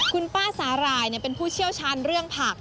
คุณป้าสาหร่ายเป็นผู้เชี่ยวชาญเรื่องผัก